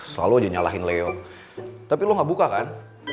selalu aja nyalahin leo tapi lo gak buka kan